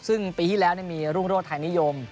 ซึ่งปีที่แล้วมีรุ่งโรธไทยนิยม